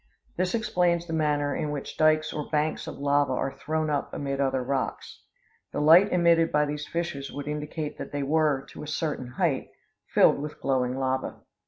This explains the manner in which dykes or banks of lava are thrown up amid other rocks. The light emitted by these fissures would indicate that they were, to a certain height, filled with glowing lava.